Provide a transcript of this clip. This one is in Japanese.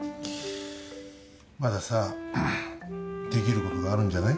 まださんんっできることがあるんじゃない？